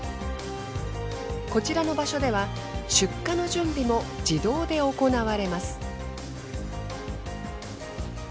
こちらの場所では出荷の準備も自動で行われます。